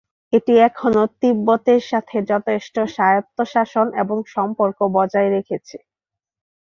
এটি এখনও তিব্বতের সাথে যথেষ্ট স্বায়ত্তশাসন এবং সম্পর্ক বজায় রেখেছে।